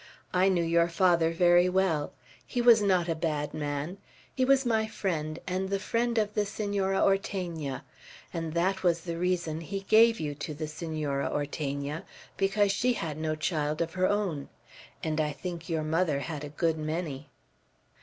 I knew your father very well. He was not a bad man. He was my friend, and the friend of the Senora Ortegna; and that was the reason he gave you to the Senora Ortegna, because she had no child of her own. And I think your mother had a good many."